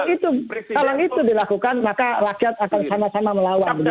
kalau itu dilakukan maka rakyat akan sama sama melawan